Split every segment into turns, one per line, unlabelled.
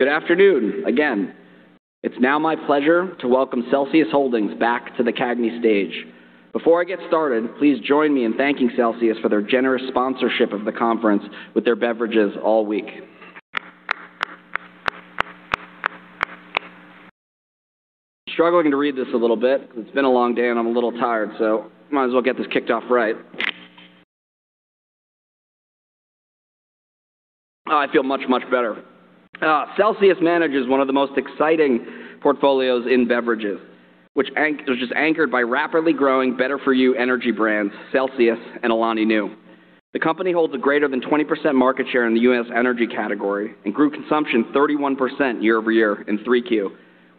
Good afternoon, again. It's now my pleasure to welcome Celsius Holdings back to the CAGNY stage. Before I get started, please join me in thanking Celsius for their generous sponsorship of the conference with their beverages all week. Struggling to read this a little bit because it's been a long day, and I'm a little tired, so might as well get this kicked off right. I feel much, much better. Celsius manages one of the most exciting portfolios in beverages, which is anchored by rapidly growing better-for-you energy brands, Celsius and Alani Nu. The company holds a greater than 20% market share in the U.S. energy category and grew consumption 31% year-over-year in 3Q,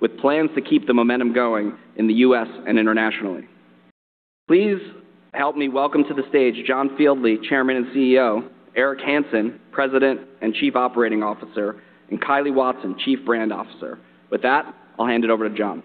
with plans to keep the momentum going in the U.S. and internationally. Please help me welcome to the stage John Fieldly, Chairman and CEO, Eric Hanson, President and Chief Operating Officer, and Kyle Watson, Chief Brand Officer. With that, I'll hand it over to John.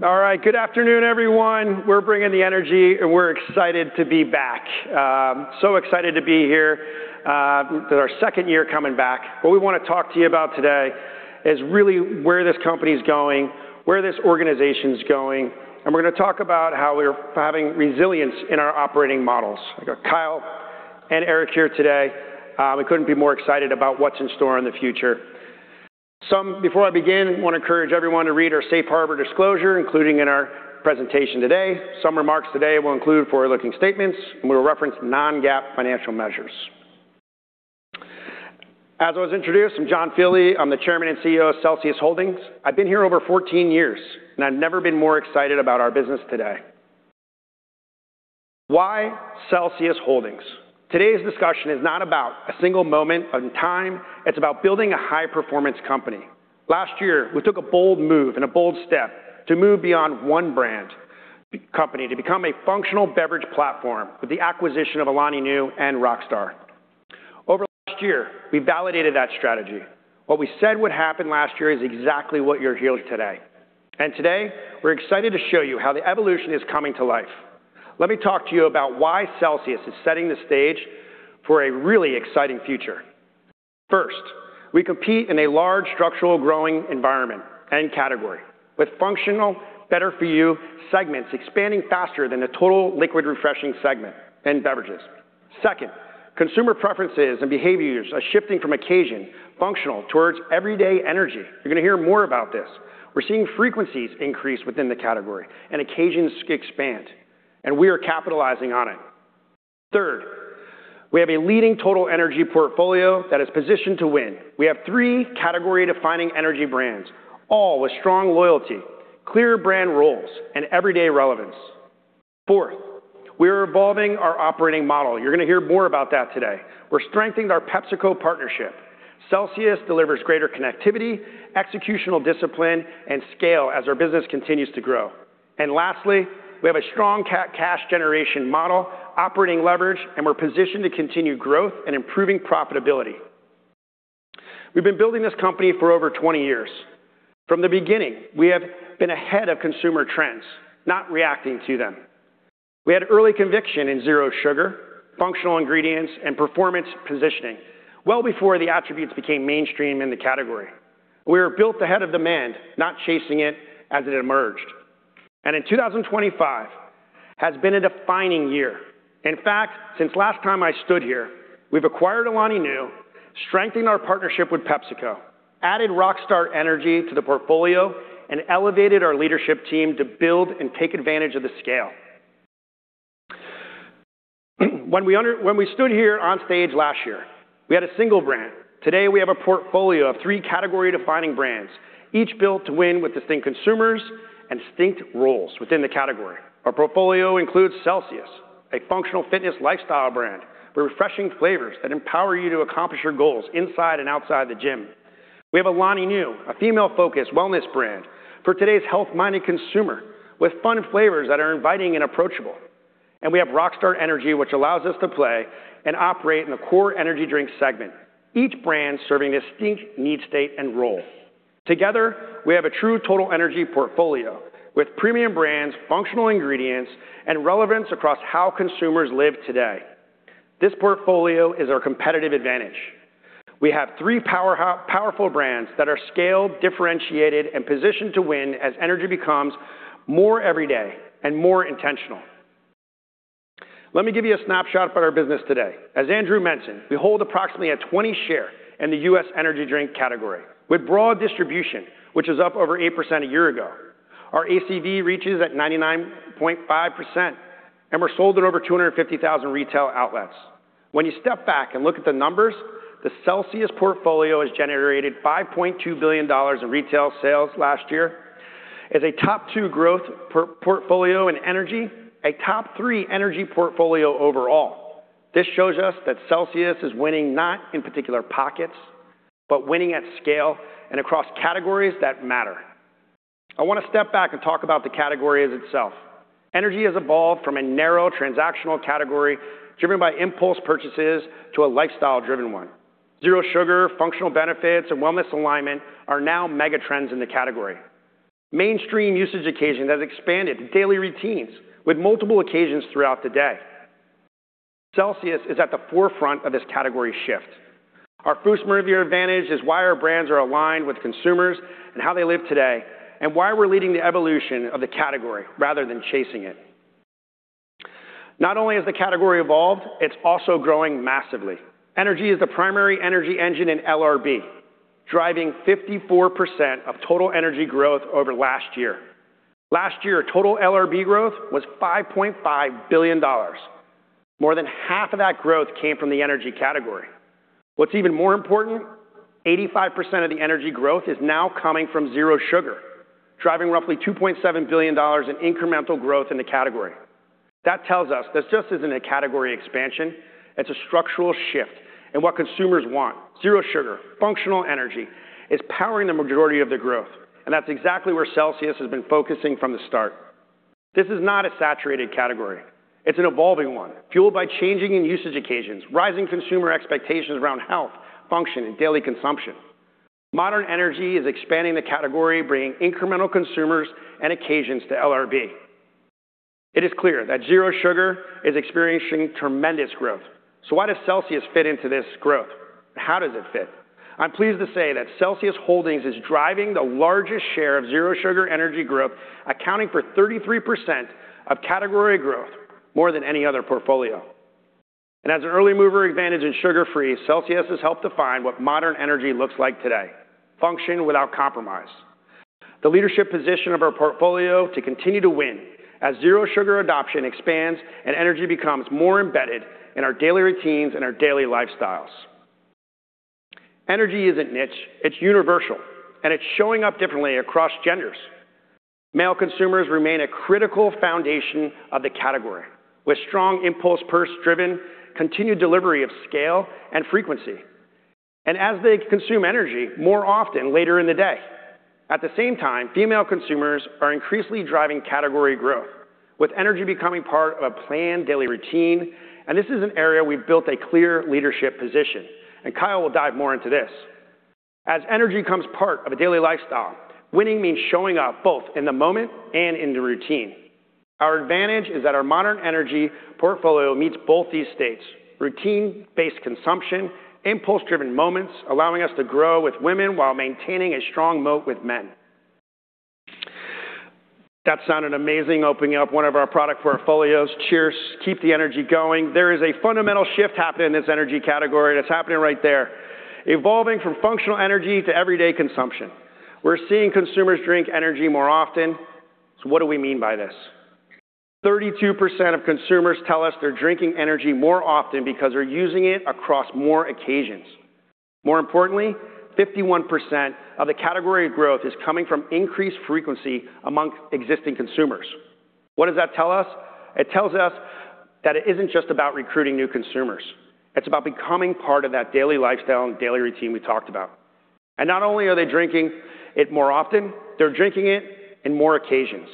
All right, good afternoon, everyone. We're bringing the energy, and we're excited to be back. So excited to be here. This is our second year coming back. What we want to talk to you about today is really where this company's going, where this organization's going, and we're going to talk about how we're having resilience in our operating models. I got Kyle and Eric here today. We couldn't be more excited about what's in store in the future. So before I begin, I want to encourage everyone to read our safe harbor disclosure, including in our presentation today. Some remarks today will include forward-looking statements, and we'll reference non-GAAP financial measures. As I was introduced, I'm John Fieldly. I'm the Chairman and CEO of Celsius Holdings. I've been here over 14 years, and I've never been more excited about our business today. Why Celsius Holdings? Today's discussion is not about a single moment in time. It's about building a high-performance company. Last year, we took a bold move and a bold step to move beyond one brand company to become a functional beverage platform with the acquisition of Alani Nu and Rockstar. Over last year, we validated that strategy. What we said would happen last year is exactly what you're hearing today, and today, we're excited to show you how the evolution is coming to life. Let me talk to you about why Celsius is setting the stage for a really exciting future. First, we compete in a large, structural, growing environment and category, with functional, better-for-you segments expanding faster than the total liquid refreshing segment and beverages. Second, consumer preferences and behaviors are shifting from occasion, functional, towards everyday energy. You're going to hear more about this. We're seeing frequencies increase within the category and occasions expand, and we are capitalizing on it. Third, we have a leading total energy portfolio that is positioned to win. We have three category-defining energy brands, all with strong loyalty, clear brand roles, and everyday relevance. Fourth, we are evolving our operating model. You're going to hear more about that today. We're strengthening our PepsiCo partnership. Celsius delivers greater connectivity, executional discipline, and scale as our business continues to grow. And lastly, we have a strong cash generation model, operating leverage, and we're positioned to continue growth and improving profitability. We've been building this company for over 20 years. From the beginning, we have been ahead of consumer trends, not reacting to them. We had early conviction in zero sugar, functional ingredients, and performance positioning well before the attributes became mainstream in the category. We were built ahead of demand, not chasing it as it emerged, and in 2025 has been a defining year. In fact, since last time I stood here, we've acquired Alani Nu, strengthened our partnership with PepsiCo, added Rockstar Energy to the portfolio, and elevated our leadership team to build and take advantage of the scale. When we stood here on stage last year, we had a single brand. Today, we have a portfolio of three category-defining brands, each built to win with distinct consumers and distinct roles within the category. Our portfolio includes Celsius, a functional fitness lifestyle brand with refreshing flavors that empower you to accomplish your goals inside and outside the gym. We have Alani Nu, a female-focused wellness brand for today's health-minded consumer, with fun flavors that are inviting and approachable. And we have Rockstar Energy, which allows us to play and operate in the core energy drink segment, each brand serving a distinct need, state, and role. Together, we have a true total energy portfolio with premium brands, functional ingredients, and relevance across how consumers live today. This portfolio is our competitive advantage. We have three powerful brands that are scaled, differentiated, and positioned to win as energy becomes more every day and more intentional. Let me give you a snapshot of our business today. As Andrew mentioned, we hold approximately a 20% share in the U.S. energy drink category, with broad distribution, which is up over 8% a year ago. Our ACV reaches 99.5%, and we're sold in over 250,000 retail outlets. When you step back and look at the numbers, the Celsius portfolio has generated $5.2 billion in retail sales last year. It is a top two growth portfolio in energy, a top three energy portfolio overall. This shows us that Celsius is winning not in particular pockets, but winning at scale and across categories that matter. I want to step back and talk about the category as itself. Energy has evolved from a narrow transactional category, driven by impulse purchases, to a lifestyle-driven one. Zero sugar, functional benefits, and wellness alignment are now megatrends in the category. Mainstream usage occasion has expanded to daily routines, with multiple occasions throughout the day. Celsius is at the forefront of this category shift. Our first mover advantage is why our brands are aligned with consumers and how they live today, and why we're leading the evolution of the category rather than chasing it. Not only has the category evolved, it's also growing massively. Energy is the primary energy engine in LRB, driving 54% of total energy growth over last year. Last year, total LRB growth was $5.5 billion. More than half of that growth came from the energy category. What's even more important, 85% of the energy growth is now coming from zero sugar, driving roughly $2.7 billion in incremental growth in the category. That tells us that this isn't a category expansion, it's a structural shift in what consumers want. Zero sugar, functional energy, is powering the majority of the growth, and that's exactly where Celsius has been focusing from the start. This is not a saturated category. It's an evolving one, fueled by changing in usage occasions, rising consumer expectations around health, function, and daily consumption. Modern energy is expanding the category, bringing incremental consumers and occasions to LRB. It is clear that zero sugar is experiencing tremendous growth. So why does Celsius fit into this growth? How does it fit? I'm pleased to say that Celsius Holdings is driving the largest share of zero sugar energy growth, accounting for 33% of category growth, more than any other portfolio. And as an early mover advantage in sugar-free, Celsius has helped define what modern energy looks like today, function without compromise. The leadership position of our portfolio to continue to win as zero sugar adoption expands and energy becomes more embedded in our daily routines and our daily lifestyles. Energy isn't niche, it's universal, and it's showing up differently across genders. Male consumers remain a critical foundation of the category, with strong impulse purchase-driven, continued delivery of scale and frequency, and as they consume energy more often later in the day. At the same time, female consumers are increasingly driving category growth, with energy becoming part of a planned daily routine, and this is an area we've built a clear leadership position, and Kyle will dive more into this. As energy becomes part of a daily lifestyle, winning means showing up both in the moment and in the routine. Our advantage is that our modern energy portfolio meets both these states: routine-based consumption, impulse-driven moments, allowing us to grow with women while maintaining a strong moat with men. That sounded amazing, opening up one of our product portfolios. Cheers. Keep the energy going. There is a fundamental shift happening in this energy category, and it's happening right there. Evolving from functional energy to everyday consumption. We're seeing consumers drink energy more often. So what do we mean by this? 32% of consumers tell us they're drinking energy more often because they're using it across more occasions. More importantly, 51% of the category growth is coming from increased frequency amongst existing consumers. What does that tell us? It tells us that it isn't just about recruiting new consumers. It's about becoming part of that daily lifestyle and daily routine we talked about. And not only are they drinking it more often, they're drinking it in more occasions.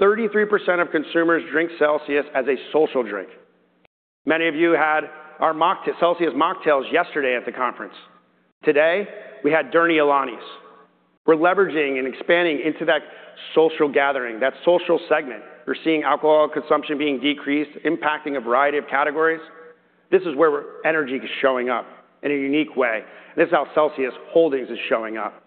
33% of consumers drink Celsius as a social drink. Many of you had our Celsius mocktails yesterday at the conference. Today, we had Dirty Alanis. We're leveraging and expanding into that social gathering, that social segment. We're seeing alcohol consumption being decreased, impacting a variety of categories. This is where energy is showing up in a unique way. This is how Celsius Holdings is showing up.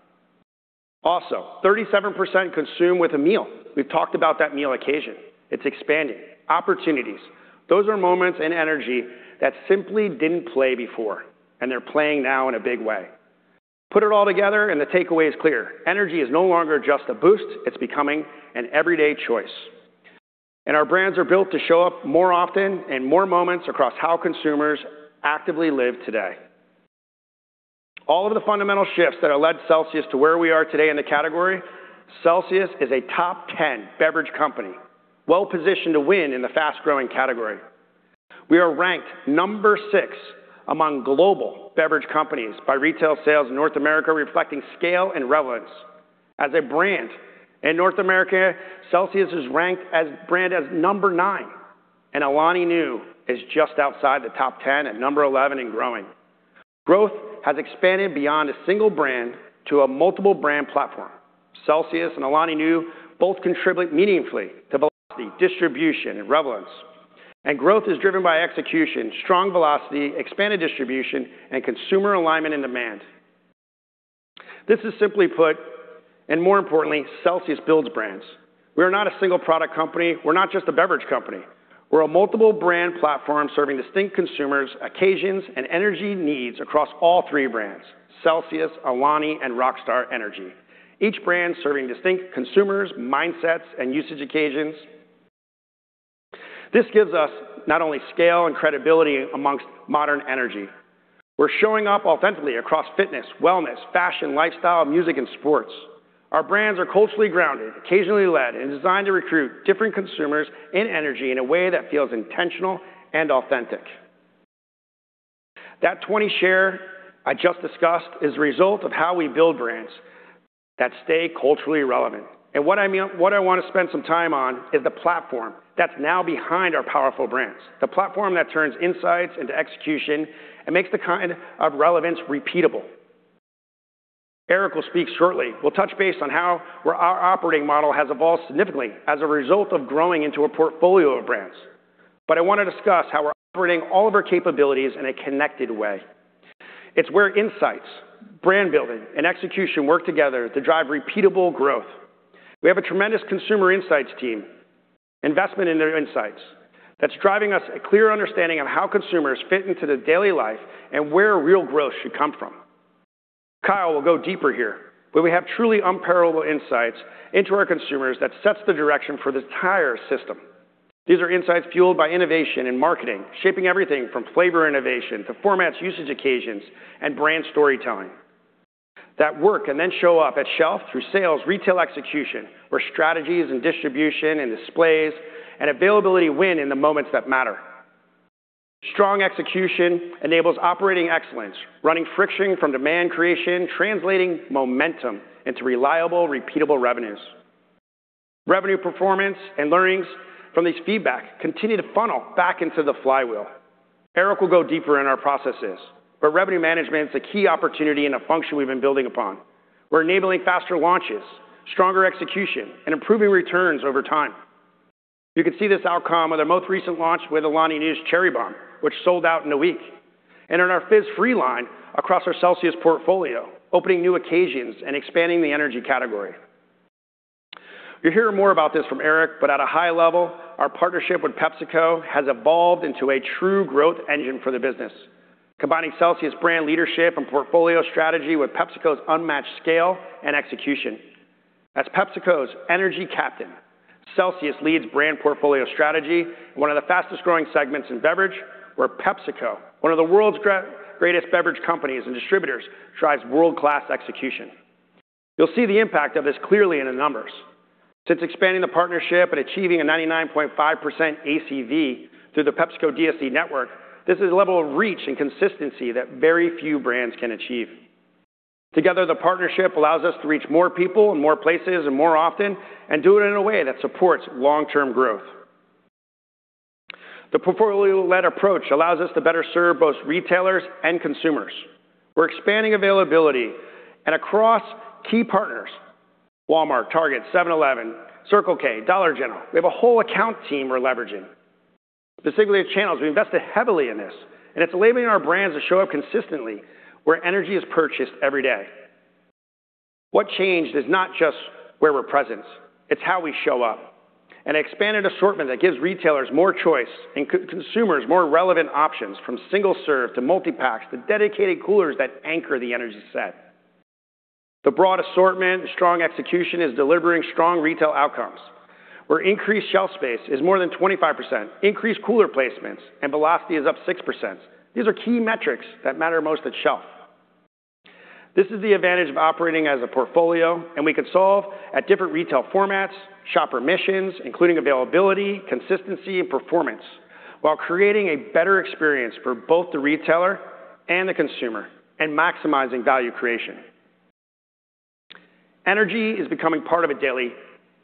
Also, 37% consume with a meal. We've talked about that meal occasion. It's expanding. Opportunities. Those are moments in energy that simply didn't play before, and they're playing now in a big way. Put it all together and the takeaway is clear: Energy is no longer just a boost, it's becoming an everyday choice. And our brands are built to show up more often and more moments across how consumers actively live today. All of the fundamental shifts that have led Celsius to where we are today in the category, Celsius is a top 10 beverage company, well-positioned to win in the fast-growing category. We are ranked number 6 among global beverage companies by retail sales in North America, reflecting scale and relevance. As a brand in North America, Celsius is ranked as brand as number nine, and Alani Nu is just outside the top 10 at number 11 and growing. Growth has expanded beyond a single brand to a multiple brand platform. Celsius and Alani Nu both contribute meaningfully to velocity, distribution, and relevance. Growth is driven by execution, strong velocity, expanded distribution, and consumer alignment and demand. This is simply put, and more importantly, Celsius builds brands. We are not a single product company. We're not just a beverage company. We're a multiple brand platform serving distinct consumers, occasions, and energy needs across all three brands, Celsius, Alani, and Rockstar Energy. Each brand serving distinct consumers, mindsets, and usage occasions.... This gives us not only scale and credibility among modern energy. We're showing up authentically across fitness, wellness, fashion, lifestyle, music, and sports. Our brands are culturally grounded, occasionally led, and designed to recruit different consumers in energy in a way that feels intentional and authentic. That 20 share I just discussed is a result of how we build brands that stay culturally relevant. And what I want to spend some time on is the platform that's now behind our powerful brands, the platform that turns insights into execution and makes the kind of relevance repeatable. Eric will speak shortly. We'll touch base on how our operating model has evolved significantly as a result of growing into a portfolio of brands. But I want to discuss how we're operating all of our capabilities in a connected way. It's where insights, brand building, and execution work together to drive repeatable growth. We have a tremendous consumer insights team, investment in their insights, that's driving us a clear understanding of how consumers fit into the daily life and where real growth should come from. Kyle will go deeper here, but we have truly unparalleled insights into our consumers that sets the direction for this entire system. These are insights fueled by innovation in marketing, shaping everything from flavor innovation to formats, usage occasions, and brand storytelling. That work can then show up at shelf through sales, retail execution, where strategies and distribution and displays and availability win in the moments that matter. Strong execution enables operating excellence, running friction from demand creation, translating momentum into reliable, repeatable revenues. Revenue performance and learnings from these feedback continue to funnel back into the flywheel. Eric will go deeper in our processes, but revenue management is a key opportunity and a function we've been building upon. We're enabling faster launches, stronger execution, and improving returns over time. You can see this outcome with our most recent launch with Alani Nu's Cherry Bomb, which sold out in a week, and in our Fizz-Free line across our Celsius portfolio, opening new occasions and expanding the energy category. You'll hear more about this from Eric, but at a high level, our partnership with PepsiCo has evolved into a true growth engine for the business, combining Celsius brand leadership and portfolio strategy with PepsiCo's unmatched scale and execution. As PepsiCo's energy captain, Celsius leads brand portfolio strategy, one of the fastest-growing segments in beverage, where PepsiCo, one of the world's greatest beverage companies and distributors, drives world-class execution. You'll see the impact of this clearly in the numbers. Since expanding the partnership and achieving a 99.5% ACV through the PepsiCo DSD network, this is a level of reach and consistency that very few brands can achieve. Together, the partnership allows us to reach more people in more places and more often, and do it in a way that supports long-term growth. The portfolio-led approach allows us to better serve both retailers and consumers. We're expanding availability and across key partners, Walmart, Target, 7-Eleven, Circle K, Dollar General. We have a whole account team we're leveraging. Specifically, with channels, we invested heavily in this, and it's enabling our brands to show up consistently where energy is purchased every day. What changed is not just where we're present, it's how we show up. An expanded assortment that gives retailers more choice and consumers more relevant options, from single-serve to multi-packs to dedicated coolers that anchor the energy set. The broad assortment, strong execution, is delivering strong retail outcomes, where increased shelf space is more than 25%, increased cooler placements, and velocity is up 6%. These are key metrics that matter most at shelf. This is the advantage of operating as a portfolio, and we can solve at different retail formats, shopper missions, including availability, consistency, and performance, while creating a better experience for both the retailer and the consumer, and maximizing value creation. Energy is becoming part of a daily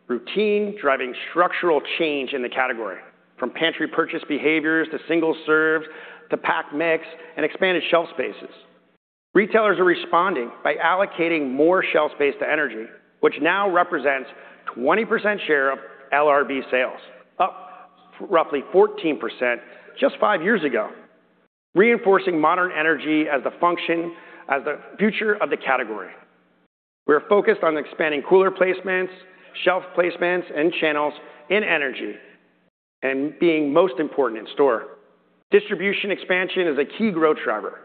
routine, driving structural change in the category, from pantry purchase behaviors to single serves, to pack mix and expanded shelf spaces. Retailers are responding by allocating more shelf space to energy, which now represents 20% share of LRB sales, up roughly 14% just five years ago, reinforcing modern energy as the function, as the future of the category. We are focused on expanding cooler placements, shelf placements, and channels in energy, and being most important in store. Distribution expansion is a key growth driver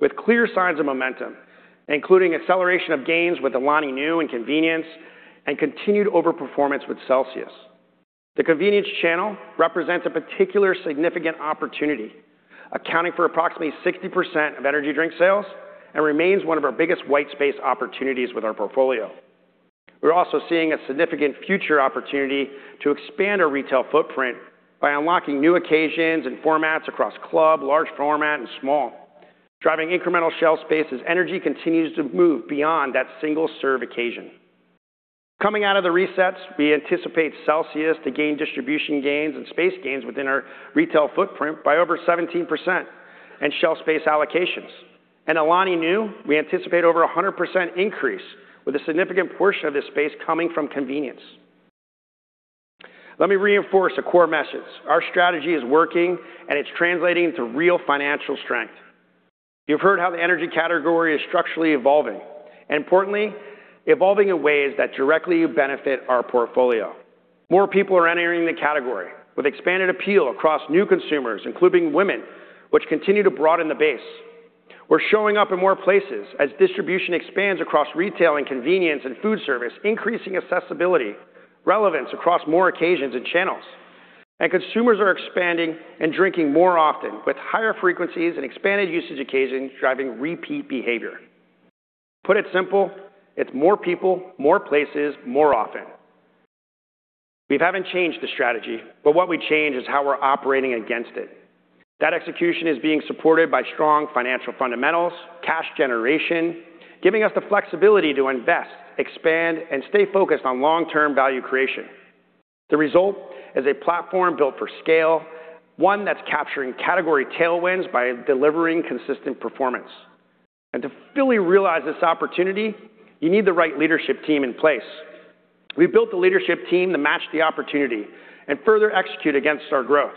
with clear signs of momentum, including acceleration of gains with Alani Nu and convenience and continued overperformance with Celsius. The convenience channel represents a particularly significant opportunity, accounting for approximately 60% of energy drink sales, and remains one of our biggest white space opportunities with our portfolio. We're also seeing a significant future opportunity to expand our retail footprint by unlocking new occasions and formats across club, large format, and small, driving incremental shelf space as energy continues to move beyond that single-serve occasion. Coming out of the resets, we anticipate Celsius to gain distribution gains and space gains within our retail footprint by over 17% and shelf space allocations. Alani Nu, we anticipate over 100% increase, with a significant portion of this space coming from convenience. Let me reinforce a core message. Our strategy is working, and it's translating to real financial strength. You've heard how the energy category is structurally evolving, and importantly, evolving in ways that directly benefit our portfolio. More people are entering the category with expanded appeal across new consumers, including women, which continue to broaden the base... We're showing up in more places as distribution expands across retail and convenience and food service, increasing accessibility, relevance across more occasions and channels. Consumers are expanding and drinking more often, with higher frequencies and expanded usage occasions driving repeat behavior. Put it simply, it's more people, more places, more often. We haven't changed the strategy, but what we changed is how we're operating against it. That execution is being supported by strong financial fundamentals, cash generation, giving us the flexibility to invest, expand, and stay focused on long-term value creation. The result is a platform built for scale, one that's capturing category tailwinds by delivering consistent performance. And to fully realize this opportunity, you need the right leadership team in place. We've built the leadership team to match the opportunity and further execute against our growth.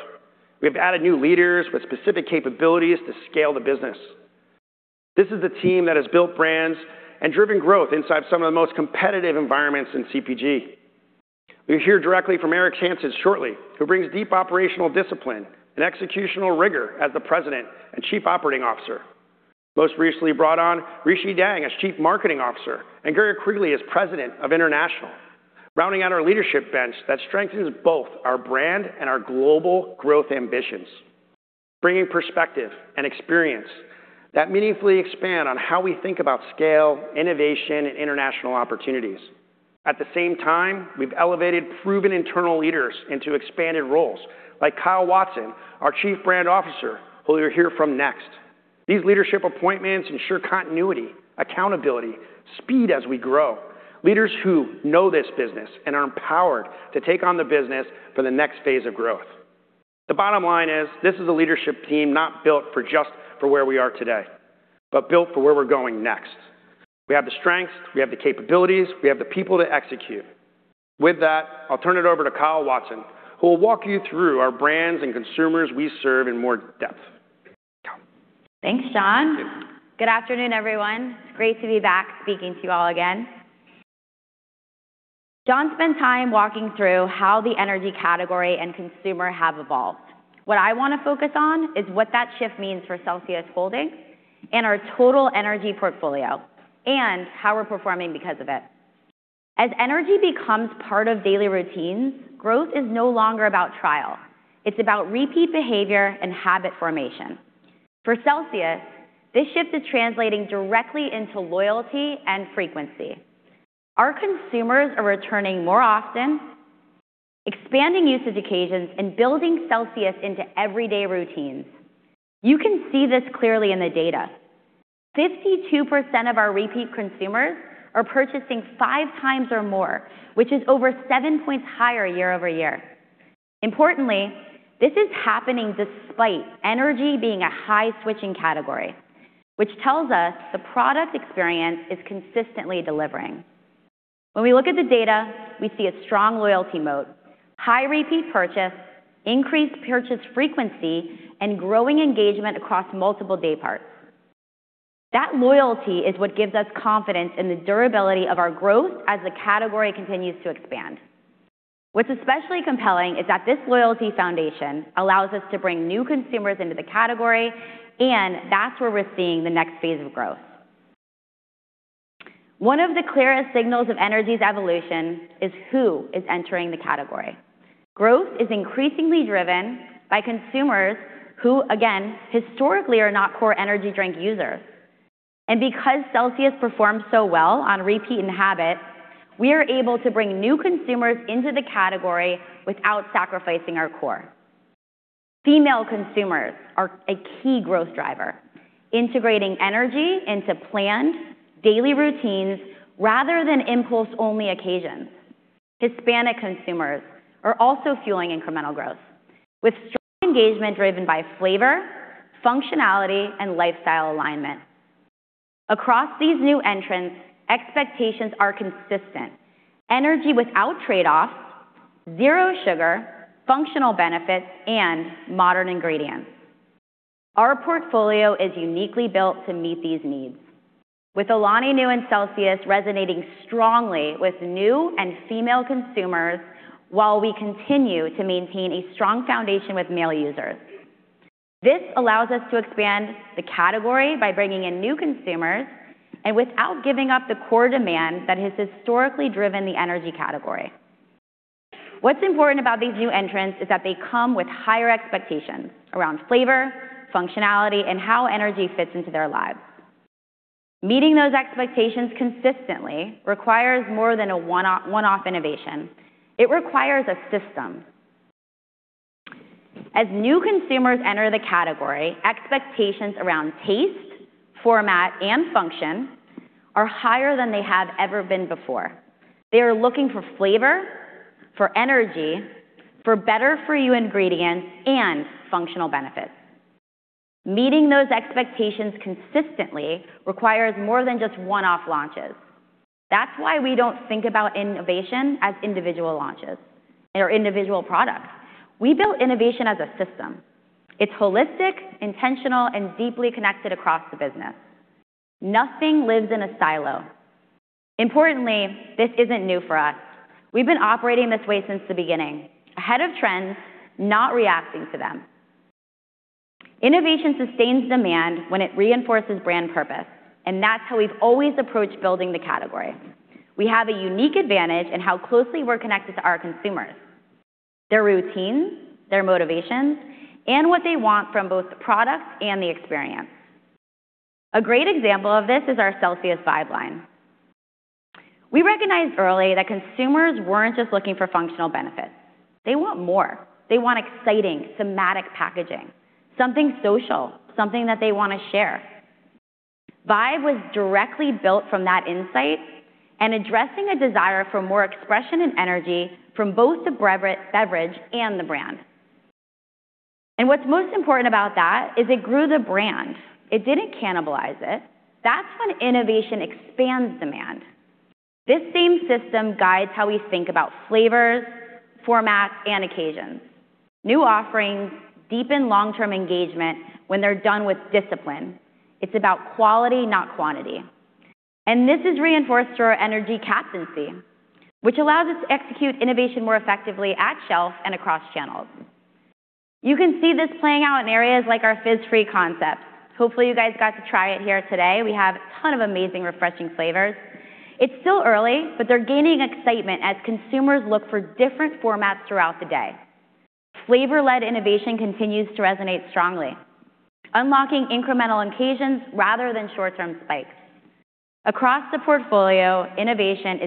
We've added new leaders with specific capabilities to scale the business. This is a team that has built brands and driven growth inside some of the most competitive environments in CPG. You'll hear directly from Eric Hanson shortly, who brings deep operational discipline and executional rigor as the President and Chief Operating Officer. Most recently brought on Rishi Daing as Chief Marketing Officer and Garrett Quigley as President of International, rounding out our leadership bench that strengthens both our brand and our global growth ambitions, bringing perspective and experience that meaningfully expand on how we think about scale, innovation, and international opportunities. At the same time, we've elevated proven internal leaders into expanded roles, like Kyle Watson, our Chief Brand Officer, who you'll hear from next. These leadership appointments ensure continuity, accountability, speed as we grow. Leaders who know this business and are empowered to take on the business for the next phase of growth. The bottom line is, this is a leadership team not built for just for where we are today, but built for where we're going next. We have the strengths, we have the capabilities, we have the people to execute. With that, I'll turn it over to Kyle Watson, who will walk you through our brands and consumers we serve in more depth. Kyle?
Thanks, John. Good afternoon, everyone. It's great to be back speaking to you all again. John spent time walking through how the energy category and consumer have evolved. What I want to focus on is what that shift means for Celsius Holdings and our total energy portfolio, and how we're performing because of it. As energy becomes part of daily routines, growth is no longer about trial. It's about repeat behavior and habit formation. For Celsius, this shift is translating directly into loyalty and frequency. Our consumers are returning more often, expanding usage occasions, and building Celsius into everyday routines. You can see this clearly in the data. 52% of our repeat consumers are purchasing five times or more, which is over seven points higher year-over-year. Importantly, this is happening despite energy being a high-switching category, which tells us the product experience is consistently delivering. When we look at the data, we see a strong loyalty mode, high repeat purchase, increased purchase frequency, and growing engagement across multiple day parts. That loyalty is what gives us confidence in the durability of our growth as the category continues to expand. What's especially compelling is that this loyalty foundation allows us to bring new consumers into the category, and that's where we're seeing the next phase of growth. One of the clearest signals of energy's evolution is who is entering the category. Growth is increasingly driven by consumers who, again, historically are not core energy drink users. And because Celsius performs so well on repeat and habit, we are able to bring new consumers into the category without sacrificing our core. Female consumers are a key growth driver, integrating energy into planned daily routines rather than impulse-only occasions. Hispanic consumers are also fueling incremental growth, with strong engagement driven by flavor, functionality, and lifestyle alignment. Across these new entrants, expectations are consistent: energy without trade-offs, zero sugar, functional benefits, and modern ingredients. Our portfolio is uniquely built to meet these needs, with Alani Nu and Celsius resonating strongly with new and female consumers, while we continue to maintain a strong foundation with male users. This allows us to expand the category by bringing in new consumers and without giving up the core demand that has historically driven the energy category. What's important about these new entrants is that they come with higher expectations around flavor, functionality, and how energy fits into their lives. Meeting those expectations consistently requires more than a one-off innovation. It requires a system. As new consumers enter the category, expectations around taste, format, and function are higher than they have ever been before. They are looking for flavor, for energy, for better-for-you ingredients, and functional benefits. Meeting those expectations consistently requires more than just one-off launches. That's why we don't think about innovation as individual launches or individual products. We build innovation as a system. It's holistic, intentional, and deeply connected across the business. Nothing lives in a silo... Importantly, this isn't new for us. We've been operating this way since the beginning. Ahead of trends, not reacting to them. Innovation sustains demand when it reinforces brand purpose, and that's how we've always approached building the category. We have a unique advantage in how closely we're connected to our consumers, their routines, their motivations, and what they want from both the product and the experience. A great example of this is our Celsius Vibe line. We recognized early that consumers weren't just looking for functional benefits. They want more. They want exciting, thematic packaging, something social, something that they want to share. Vibe was directly built from that insight and addressing a desire for more expression and energy from both the beverage and the brand. And what's most important about that is it grew the brand. It didn't cannibalize it. That's when innovation expands demand. This same system guides how we think about flavors, formats, and occasions. New offerings deepen long-term engagement when they're done with discipline. It's about quality, not quantity. And this is reinforced through our energy category, which allows us to execute innovation more effectively at shelf and across channels. You can see this playing out in areas like our Fizz-Free concept. Hopefully, you guys got to try it here today. We have a ton of amazing, refreshing flavors. It's still early, but they're gaining excitement as consumers look for different formats throughout the day. Flavor-led innovation continues to resonate strongly, unlocking incremental occasions rather than short-term spikes. Across the portfolio, innovation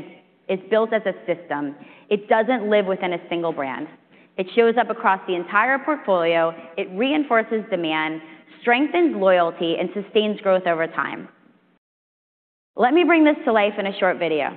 is built as a system. It doesn't live within a single brand. It shows up across the entire portfolio. It reinforces demand, strengthens loyalty, and sustains growth over time. Let me bring this to life in a short video.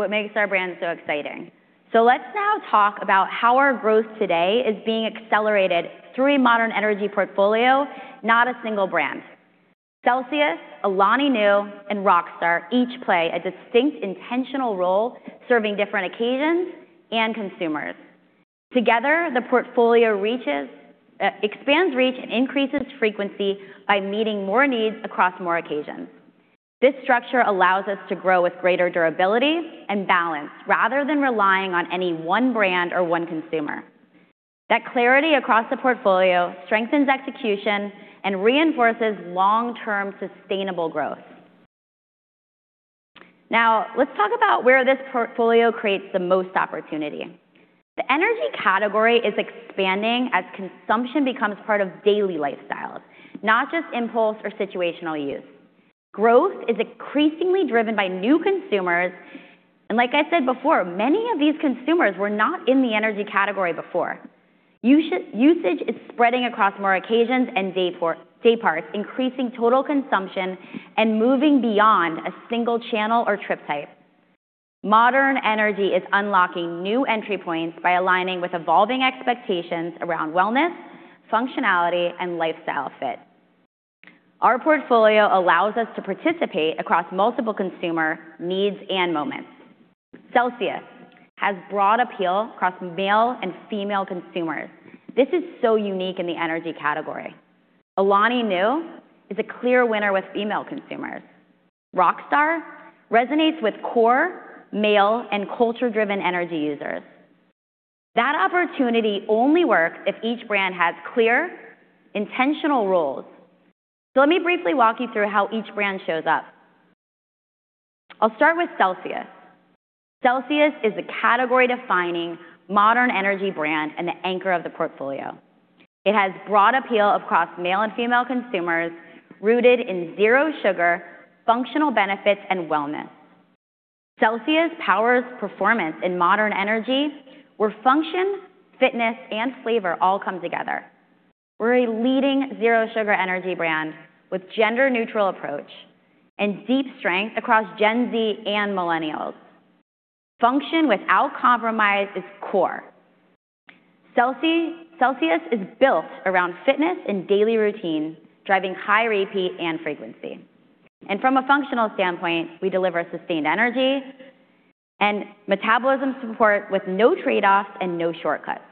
That's what makes our brand so exciting. Let's now talk about how our growth today is being accelerated through a modern energy portfolio, not a single brand. Celsius, Alani Nu, and Rockstar each play a distinct, intentional role, serving different occasions and consumers. Together, the portfolio reaches, expands reach and increases frequency by meeting more needs across more occasions. This structure allows us to grow with greater durability and balance, rather than relying on any one brand or one consumer. That clarity across the portfolio strengthens execution and reinforces long-term, sustainable growth. Now, let's talk about where this portfolio creates the most opportunity. The energy category is expanding as consumption becomes part of daily lifestyles, not just impulse or situational use. Growth is increasingly driven by new consumers, and like I said before, many of these consumers were not in the energy category before. Usage is spreading across more occasions and day parts, increasing total consumption and moving beyond a single channel or trip type. Modern energy is unlocking new entry points by aligning with evolving expectations around wellness, functionality, and lifestyle fit. Our portfolio allows us to participate across multiple consumer needs and moments. Celsius has broad appeal across male and female consumers. This is so unique in the energy category. Alani Nu is a clear winner with female consumers. Rockstar resonates with core, male, and culture-driven energy users. That opportunity only works if each brand has clear, intentional roles. So let me briefly walk you through how each brand shows up. I'll start with Celsius. Celsius is a category-defining modern energy brand and the anchor of the portfolio. It has broad appeal across male and female consumers, rooted in zero sugar, functional benefits, and wellness. Celsius powers performance in modern energy, where function, fitness, and flavor all come together. We're a leading zero-sugar energy brand with gender-neutral approach and deep strength across Gen Z and millennials. Function without compromise is core. Celsius is built around fitness and daily routine, driving high repeat and frequency. From a functional standpoint, we deliver sustained energy and metabolism support with no trade-offs and no shortcuts.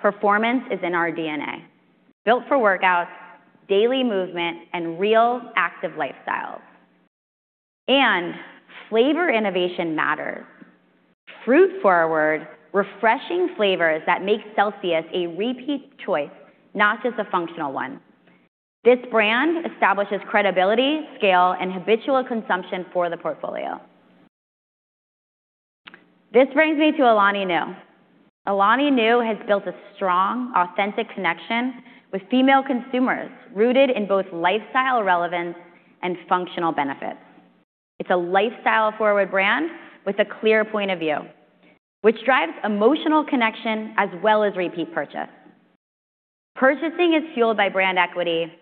Performance is in our DNA, built for workouts, daily movement, and real active lifestyles... Flavor innovation matters. Fruit-forward, refreshing flavors that make Celsius a repeat choice, not just a functional one. This brand establishes credibility, scale, and habitual consumption for the portfolio. This brings me to Alani Nu. Alani Nu has built a strong, authentic connection with female consumers, rooted in both lifestyle relevance and functional benefits. It's a lifestyle-forward brand with a clear point of view, which drives emotional connection as well as repeat purchase. Purchasing is fueled by brand equity,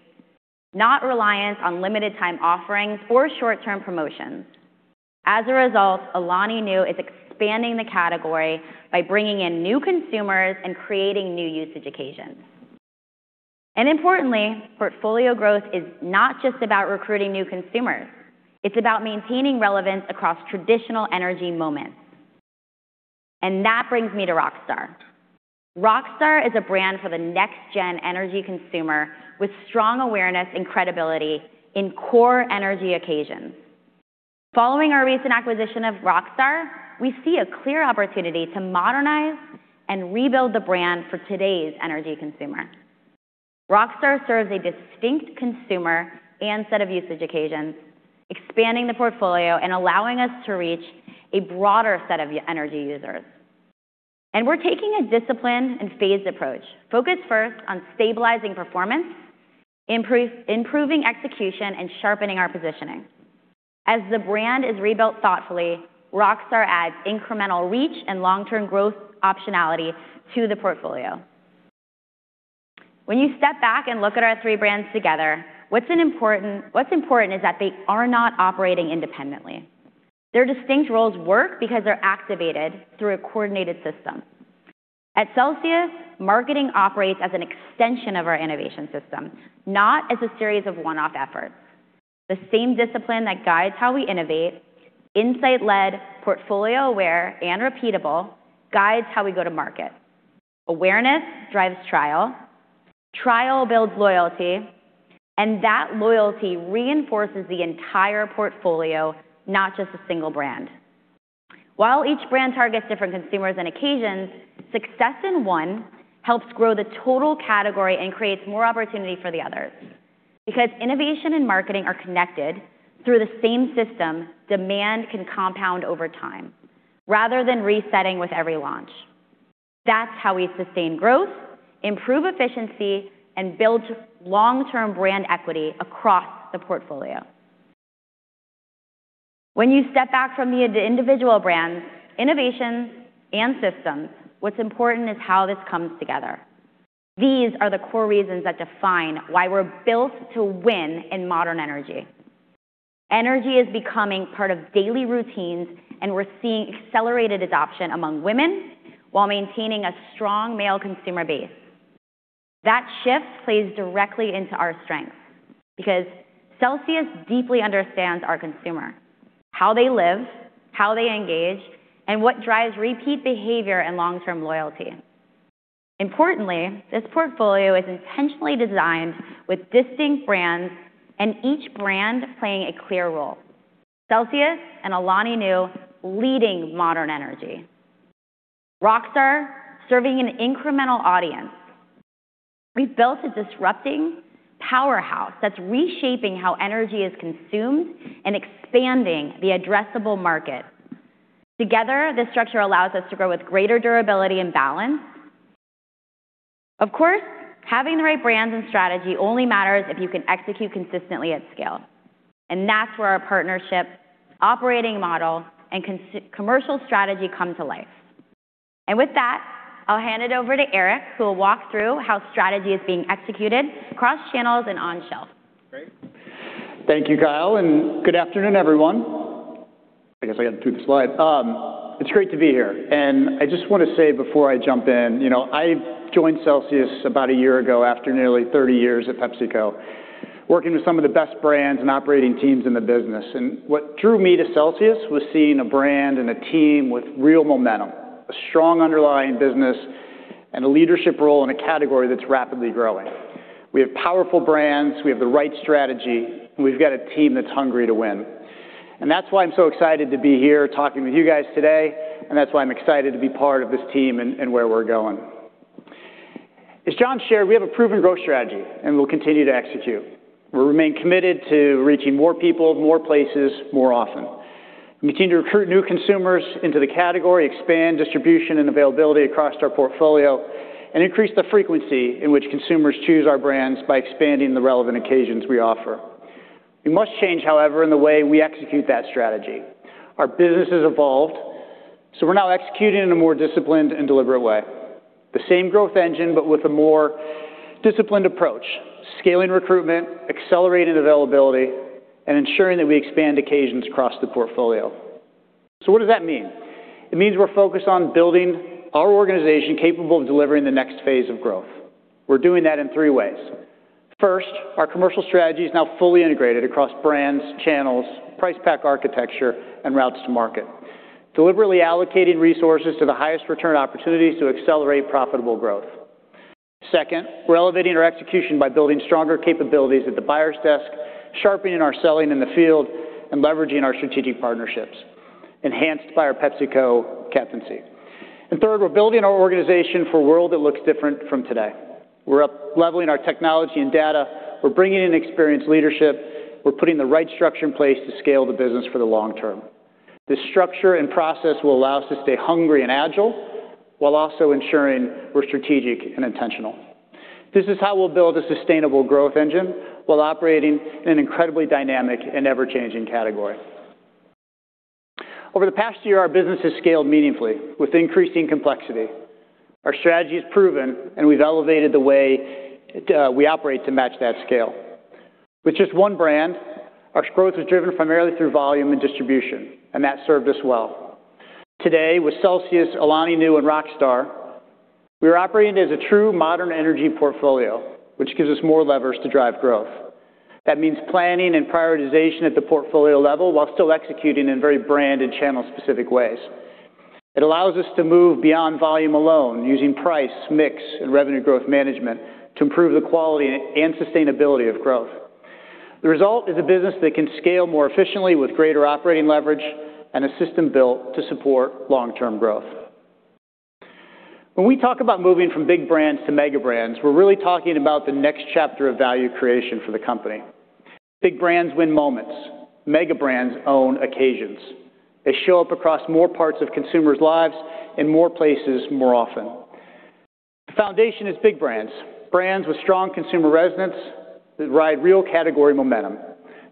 not reliance on limited time offerings or short-term promotions. As a result, Alani Nu is expanding the category by bringing in new consumers and creating new usage occasions. Importantly, portfolio growth is not just about recruiting new consumers. It's about maintaining relevance across traditional energy moments. That brings me to Rockstar. Rockstar is a brand for the next-gen energy consumer with strong awareness and credibility in core energy occasions. Following our recent acquisition of Rockstar, we see a clear opportunity to modernize and rebuild the brand for today's energy consumer. Rockstar serves a distinct consumer and set of usage occasions, expanding the portfolio and allowing us to reach a broader set of energy users. We're taking a disciplined and phased approach, focused first on stabilizing performance, improving execution, and sharpening our positioning. As the brand is rebuilt thoughtfully, Rockstar adds incremental reach and long-term growth optionality to the portfolio. When you step back and look at our three brands together, what's important is that they are not operating independently. Their distinct roles work because they're activated through a coordinated system. At Celsius, marketing operates as an extension of our innovation system, not as a series of one-off efforts. The same discipline that guides how we innovate, insight-led, portfolio-aware, and repeatable, guides how we go to market. Awareness drives trial, trial builds loyalty, and that loyalty reinforces the entire portfolio, not just a single brand. While each brand targets different consumers and occasions, success in one helps grow the total category and creates more opportunity for the others. Because innovation and marketing are connected through the same system, demand can compound over time rather than resetting with every launch. That's how we sustain growth, improve efficiency, and build long-term brand equity across the portfolio. When you step back from the individual brands, innovations, and systems, what's important is how this comes together. These are the core reasons that define why we're built to win in modern energy. Energy is becoming part of daily routines, and we're seeing accelerated adoption among women while maintaining a strong male consumer base. That shift plays directly into our strength because Celsius deeply understands our consumer, how they live, how they engage, and what drives repeat behavior and long-term loyalty. Importantly, this portfolio is intentionally designed with distinct brands and each brand playing a clear role. Celsius and Alani Nu leading modern energy. Rockstar serving an incremental audience. We've built a disrupting powerhouse that's reshaping how energy is consumed and expanding the addressable market. Together, this structure allows us to grow with greater durability and balance. Of course, having the right brands and strategy only matters if you can execute consistently at scale, and that's where our partnership, operating model, and commercial strategy come to life. With that, I'll hand it over to Eric, who will walk through how strategy is being executed across channels and on shelf.
Great. Thank you, Kyle, and good afternoon, everyone. I guess I gotta do the slide. It's great to be here, and I just want to say before I jump in, you know, I joined Celsius about a year ago after nearly 30 years at PepsiCo, working with some of the best brands and operating teams in the business. And what drew me to Celsius was seeing a brand and a team with real momentum, a strong underlying business, and a leadership role in a category that's rapidly growing. We have powerful brands, we have the right strategy, and we've got a team that's hungry to win. That's why I'm so excited to be here talking with you guys today, and that's why I'm excited to be part of this team and, and where we're going. As John shared, we have a proven growth strategy and we'll continue to execute. We remain committed to reaching more people, more places, more often. We continue to recruit new consumers into the category, expand distribution and availability across our portfolio, and increase the frequency in which consumers choose our brands by expanding the relevant occasions we offer. We must change, however, in the way we execute that strategy. Our business has evolved, so we're now executing in a more disciplined and deliberate way. The same growth engine, but with a more disciplined approach, scaling recruitment, accelerating availability, and ensuring that we expand occasions across the portfolio. So what does that mean? It means we're focused on building our organization capable of delivering the next phase of growth. We're doing that in three ways. First, our commercial strategy is now fully integrated across brands, channels, price pack architecture, and routes to market, deliberately allocating resources to the highest return opportunities to accelerate profitable growth. Second, we're elevating our execution by building stronger capabilities at the buyer's desk, sharpening our selling in the field, and leveraging our strategic partnerships, enhanced by our PepsiCo captaincy. And third, we're building our organization for a world that looks different from today. We're up-leveling our technology and data. We're bringing in experienced leadership. We're putting the right structure in place to scale the business for the long term. This structure and process will allow us to stay hungry and agile, while also ensuring we're strategic and intentional. This is how we'll build a sustainable growth engine while operating in an incredibly dynamic and ever-changing category. Over the past year, our business has scaled meaningfully with increasing complexity. Our strategy is proven, and we've elevated the way we operate to match that scale. With just one brand, our growth was driven primarily through volume and distribution, and that served us well. Today, with Celsius, Alani Nu, and Rockstar, we are operating as a true modern energy portfolio, which gives us more levers to drive growth. That means planning and prioritization at the portfolio level, while still executing in very brand and channel-specific ways. It allows us to move beyond volume alone, using price, mix, and revenue growth management to improve the quality and sustainability of growth. The result is a business that can scale more efficiently with greater operating leverage and a system built to support long-term growth. When we talk about moving from big brands to mega brands, we're really talking about the next chapter of value creation for the company. Big brands win moments. Mega brands own occasions. They show up across more parts of consumers' lives, in more places, more often. The foundation is big brands, brands with strong consumer resonance that ride real category momentum.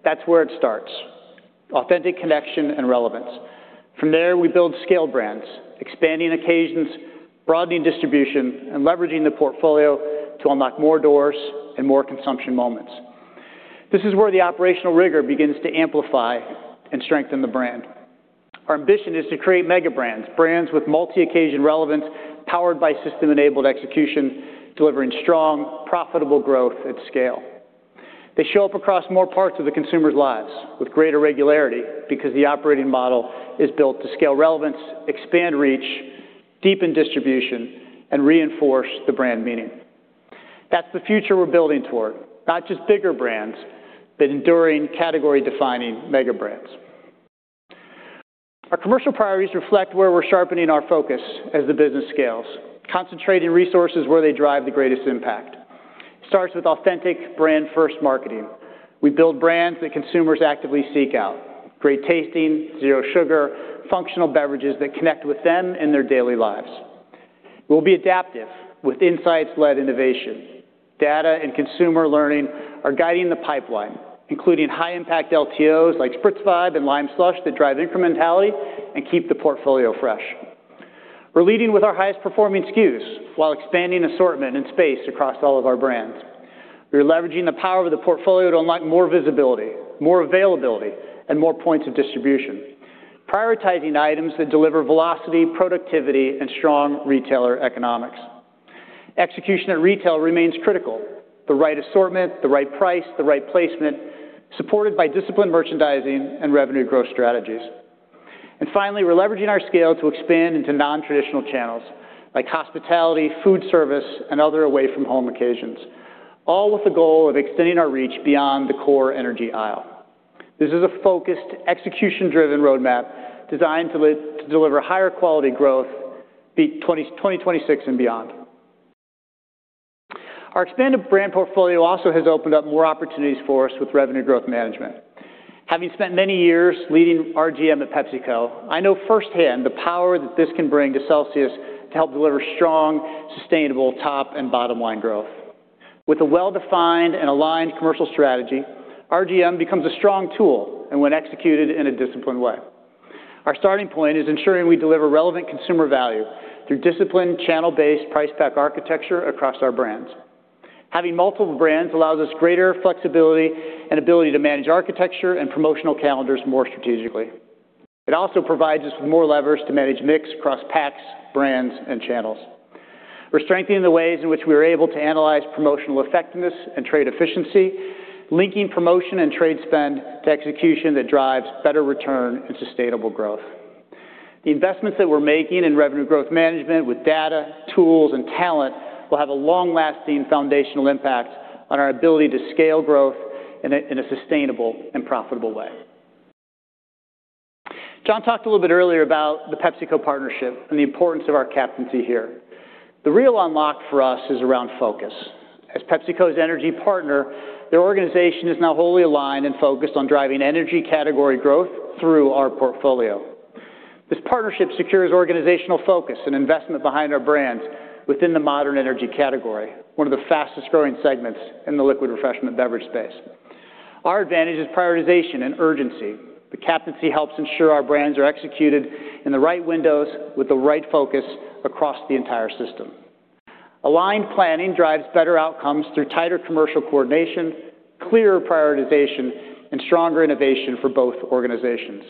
That's where it starts, authentic connection and relevance. From there, we build scale brands, expanding occasions, broadening distribution, and leveraging the portfolio to unlock more doors and more consumption moments. This is where the operational rigor begins to amplify and strengthen the brand. Our ambition is to create mega brands, brands with multi-occasion relevance, powered by system-enabled execution, delivering strong, profitable growth at scale. They show up across more parts of the consumers' lives with greater regularity because the operating model is built to scale relevance, expand reach, deepen distribution, and reinforce the brand meaning. That's the future we're building toward, not just bigger brands, but enduring, category-defining mega brands. Our commercial priorities reflect where we're sharpening our focus as the business scales, concentrating resources where they drive the greatest impact. It starts with authentic, brand-first marketing. We build brands that consumers actively seek out, great-tasting, zero sugar, functional beverages that connect with them in their daily lives. We'll be adaptive with insights-led innovation. Data and consumer learning are guiding the pipeline, including high-impact LTOs like Spritz Vibe and Lime Slush that drive incrementality and keep the portfolio fresh. We're leading with our highest-performing SKUs while expanding assortment and space across all of our brands. We're leveraging the power of the portfolio to unlock more visibility, more availability, and more points of distribution, prioritizing items that deliver velocity, productivity, and strong retailer economics. Execution at retail remains critical. The right assortment, the right price, the right placement, supported by disciplined merchandising and revenue growth strategies. Finally, we're leveraging our scale to expand into non-traditional channels like hospitality, food service, and other away-from-home occasions, all with the goal of extending our reach beyond the core energy aisle. This is a focused, execution-driven roadmap designed to deliver higher quality growth by 2025, 2026 and beyond. Our expanded brand portfolio also has opened up more opportunities for us with revenue growth management. Having spent many years leading RGM at PepsiCo, I know firsthand the power that this can bring to Celsius to help deliver strong, sustainable top and bottom-line growth. With a well-defined and aligned commercial strategy, RGM becomes a strong tool and when executed in a disciplined way. Our starting point is ensuring we deliver relevant consumer value through disciplined, channel-based price pack architecture across our brands. Having multiple brands allows us greater flexibility and ability to manage architecture and promotional calendars more strategically. It also provides us with more levers to manage mix across packs, brands, and channels. We're strengthening the ways in which we are able to analyze promotional effectiveness and trade efficiency, linking promotion and trade spend to execution that drives better return and sustainable growth. The investments that we're making in revenue growth management with data, tools, and talent will have a long-lasting foundational impact on our ability to scale growth in a sustainable and profitable way. John talked a little bit earlier about the PepsiCo partnership and the importance of our captaincy here. The real unlock for us is around focus. As PepsiCo's energy partner, their organization is now wholly aligned and focused on driving energy category growth through our portfolio. This partnership secures organizational focus and investment behind our brands within the modern energy category, one of the fastest-growing segments in the liquid refreshment beverage space. Our advantage is prioritization and urgency. The captaincy helps ensure our brands are executed in the right windows with the right focus across the entire system. Aligned planning drives better outcomes through tighter commercial coordination, clearer prioritization, and stronger innovation for both organizations.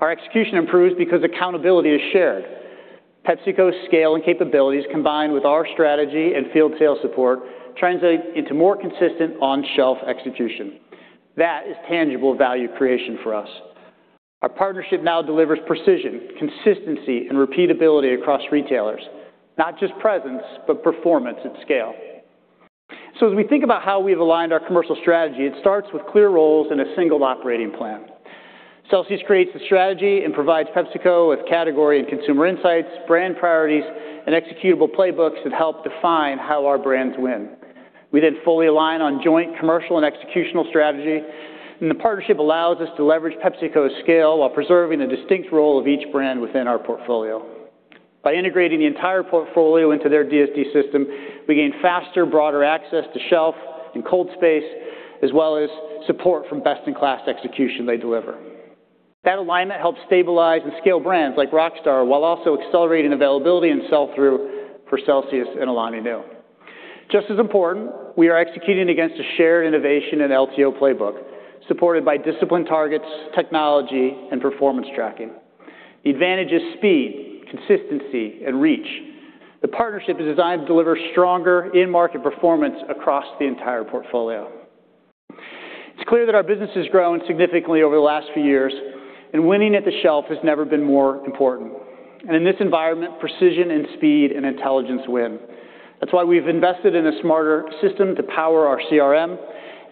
Our execution improves because accountability is shared. PepsiCo's scale and capabilities, combined with our strategy and field sales support, translate into more consistent on-shelf execution. That is tangible value creation for us.... Our partnership now delivers precision, consistency, and repeatability across retailers. Not just presence, but performance at scale. So as we think about how we've aligned our commercial strategy, it starts with clear roles and a single operating plan. Celsius creates the strategy and provides PepsiCo with category and consumer insights, brand priorities, and executable playbooks that help define how our brands win. We then fully align on joint commercial and executional strategy, and the partnership allows us to leverage PepsiCo's scale while preserving the distinct role of each brand within our portfolio. By integrating the entire portfolio into their DSD system, we gain faster, broader access to shelf and cold space, as well as support from best-in-class execution they deliver. That alignment helps stabilize and scale brands like Rockstar, while also accelerating availability and sell-through for Celsius and Alani Nu. Just as important, we are executing against a shared innovation and LTO playbook, supported by disciplined targets, technology, and performance tracking. The advantage is speed, consistency, and reach. The partnership is designed to deliver stronger in-market performance across the entire portfolio. It's clear that our business has grown significantly over the last few years, and winning at the shelf has never been more important. In this environment, precision and speed and intelligence win. That's why we've invested in a smarter system to power our CRM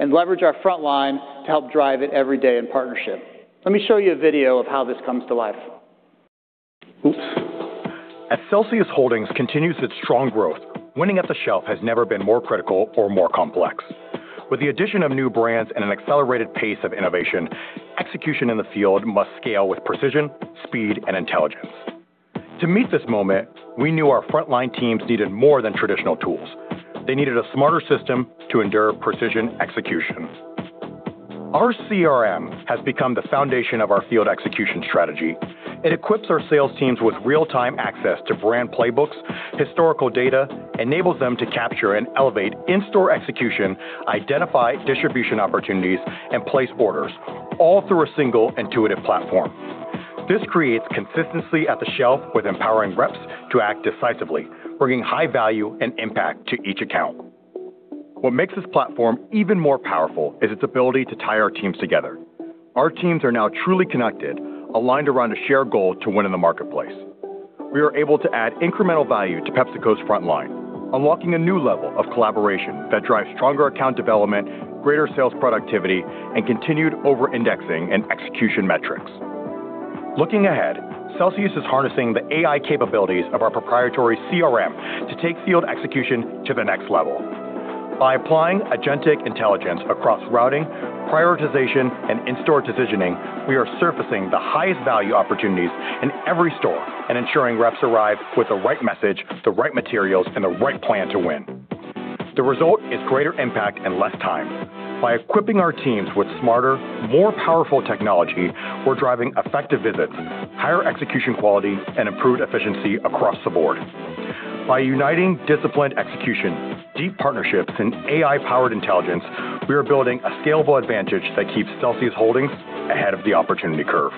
and leverage our frontline to help drive it every day in partnership. Let me show you a video of how this comes to life. Oops!
As Celsius Holdings continues its strong growth, winning at the shelf has never been more critical or more complex. With the addition of new brands and an accelerated pace of innovation, execution in the field must scale with precision, speed, and intelligence. To meet this moment, we knew our frontline teams needed more than traditional tools. They needed a smarter system to endure precision execution. Our CRM has become the foundation of our field execution strategy. It equips our sales teams with real-time access to brand playbooks, historical data, enables them to capture and elevate in-store execution, identify distribution opportunities, and place orders, all through a single intuitive platform. This creates consistency at the shelf with empowering reps to act decisively, bringing high value and impact to each account. What makes this platform even more powerful is its ability to tie our teams together. Our teams are now truly connected, aligned around a shared goal to win in the marketplace. We are able to add incremental value to PepsiCo's frontline, unlocking a new level of collaboration that drives stronger account development, greater sales productivity, and continued over-indexing and execution metrics. Looking ahead, Celsius is harnessing the AI capabilities of our proprietary CRM to take field execution to the next level. By applying agentic intelligence across routing, prioritization, and in-store decisioning, we are surfacing the highest value opportunities in every store and ensuring reps arrive with the right message, the right materials, and the right plan to win. The result is greater impact and less time. By equipping our teams with smarter, more powerful technology, we're driving effective visits, higher execution quality, and improved efficiency across the board. By uniting disciplined execution, deep partnerships, and AI-powered intelligence, we are building a scalable advantage that keeps Celsius Holdings ahead of the opportunity curve.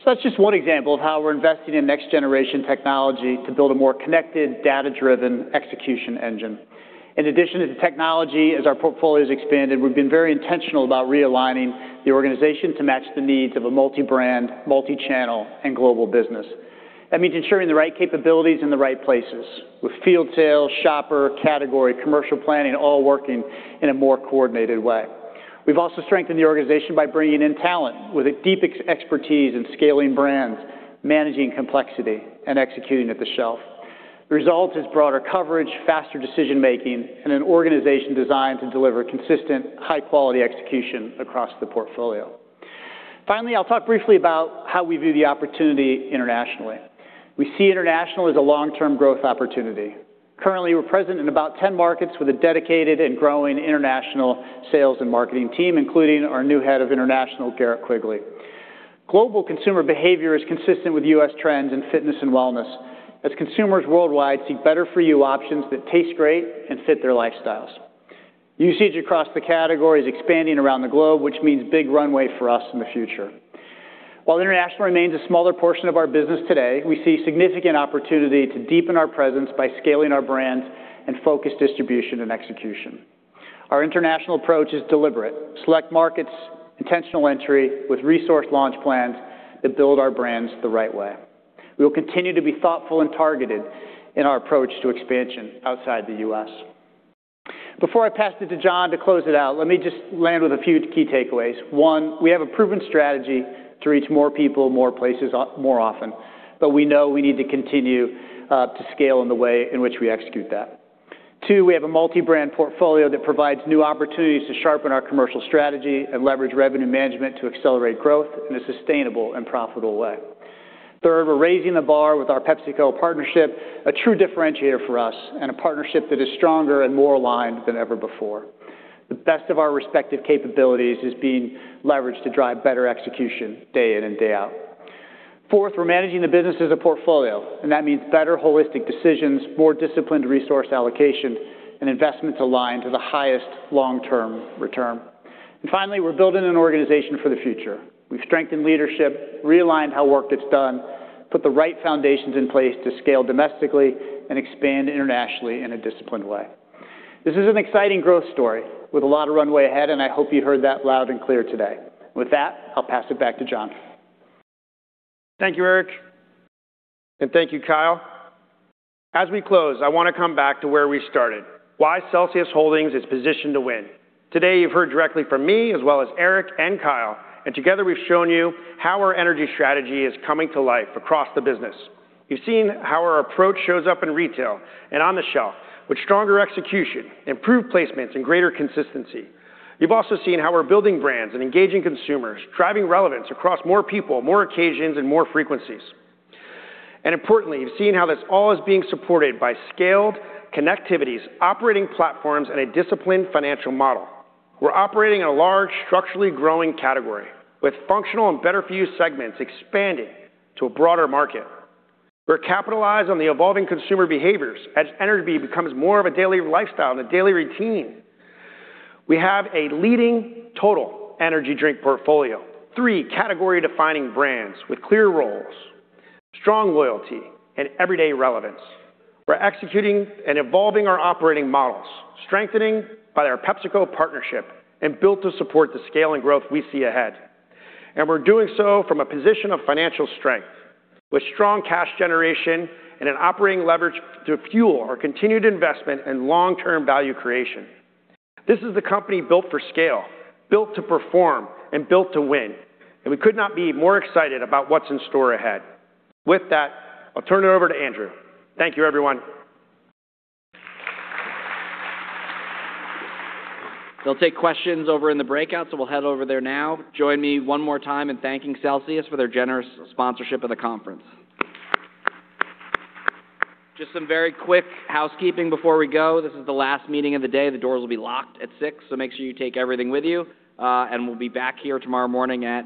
So that's just one example of how we're investing in next-generation technology to build a more connected, data-driven execution engine. In addition to the technology, as our portfolio has expanded, we've been very intentional about realigning the organization to match the needs of a multi-brand, multi-channel, and global business. That means ensuring the right capabilities in the right places, with field sales, shopper, category, commercial planning, all working in a more coordinated way. We've also strengthened the organization by bringing in talent with a deep expertise in scaling brands, managing complexity, and executing at the shelf. The result is broader coverage, faster decision-making, and an organization designed to deliver consistent, high-quality execution across the portfolio. Finally, I'll talk briefly about how we view the opportunity internationally. We see international as a long-term growth opportunity. Currently, we're present in about 10 markets with a dedicated and growing international sales and marketing team, including our new Head of International, Garrett Quigley. Global consumer behavior is consistent with U.S. trends in fitness and wellness, as consumers worldwide seek better-for-you options that taste great and fit their lifestyles. Usage across the category is expanding around the globe, which means big runway for us in the future. While international remains a smaller portion of our business today, we see significant opportunity to deepen our presence by scaling our brands and focus distribution and execution. Our international approach is deliberate: select markets, intentional entry with resource launch plans that build our brands the right way. We will continue to be thoughtful and targeted in our approach to expansion outside the U.S. Before I pass it to John to close it out, let me just land with a few key takeaways. One, we have a proven strategy to reach more people, more places, more often, but we know we need to continue to scale in the way in which we execute that. Two, we have a multi-brand portfolio that provides new opportunities to sharpen our commercial strategy and leverage revenue management to accelerate growth in a sustainable and profitable way. Third, we're raising the bar with our PepsiCo partnership, a true differentiator for us, and a partnership that is stronger and more aligned than ever before. The best of our respective capabilities is being leveraged to drive better execution day in and day out. Fourth, we're managing the business as a portfolio, and that means better holistic decisions, more disciplined resource allocation, and investments aligned to the highest long-term return. And finally, we're building an organization for the future. We've strengthened leadership, realigned how work gets done, put the right foundations in place to scale domestically and expand internationally in a disciplined way. This is an exciting growth story with a lot of runway ahead, and I hope you heard that loud and clear today. With that, I'll pass it back to John.
Thank you, Eric, and thank you, Kyle. As we close, I want to come back to where we started, why Celsius Holdings is positioned to win. Today, you've heard directly from me, as well as Eric and Kyle, and together we've shown you how our energy strategy is coming to life across the business. You've seen how our approach shows up in retail and on the shelf, with stronger execution, improved placements, and greater consistency. You've also seen how we're building brands and engaging consumers, driving relevance across more people, more occasions, and more frequencies. Importantly, you've seen how this all is being supported by scaled connectivities, operating platforms, and a disciplined financial model. We're operating in a large, structurally growing category with functional and better-for-you segments expanding to a broader market. We've capitalized on the evolving consumer behaviors as energy becomes more of a daily lifestyle and a daily routine. We have a leading total energy drink portfolio, three category-defining brands with clear roles, strong loyalty, and everyday relevance. We're executing and evolving our operating models, strengthened by our PepsiCo partnership and built to support the scale and growth we see ahead. We're doing so from a position of financial strength, with strong cash generation and operating leverage to fuel our continued investment and long-term value creation. This is the company built for scale, built to perform, and built to win, and we could not be more excited about what's in store ahead. With that, I'll turn it over to Andrew. Thank you, everyone.
They'll take questions over in the breakout, so we'll head over there now. Join me one more time in thanking Celsius for their generous sponsorship of the conference. Just some very quick housekeeping before we go. This is the last meeting of the day. The doors will be locked at 6:00, so make sure you take everything with you. We'll be back here tomorrow morning at-